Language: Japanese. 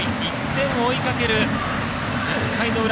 １点を追いかける１０回の裏